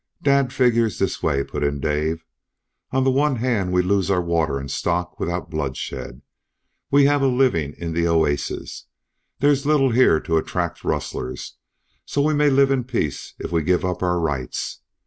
"Dad figures this way," put in Dave. "On the one hand we lose our water and stock without bloodshed. We have a living in the oasis. There's little here to attract rustlers, so we may live in peace if we give up our rights.